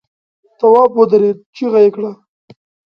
تواب ودرېد، چيغه يې کړه!